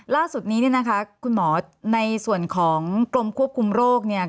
ล่าสุดนี้เนี่ยนะคะคุณหมอในส่วนของกรมควบคุมโรคเนี่ย